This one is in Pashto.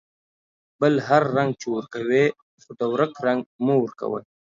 بل هر رنگ چې ورکوې ، خو د ورک رنگ مه ورکوه.